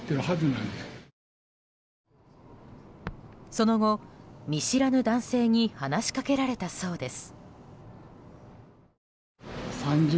その後、見知らぬ男性に話しかけられたそうです。